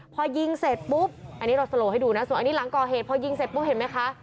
พอยิงเสร็จปุ๊บอันนี้เราสโลให้ดูนะส่วนอันนี้หลังก่อเหตุพอยิงเสร็จปุ๊บเห็นไหมคะ